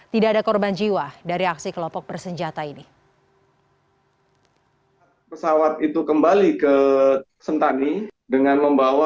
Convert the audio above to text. tidak ada korban